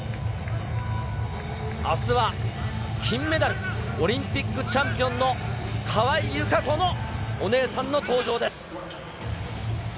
あすは金メダル、オリンピックチャンピオンの川井友香子のお姉さんの登場です。